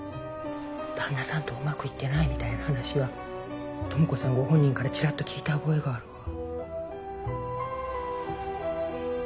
旦那さんとうまくいってないみたいな話は知子さんご本人からチラッと聞いた覚えがあるわ。